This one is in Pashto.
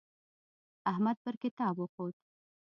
احمد پر کتاب وخوت.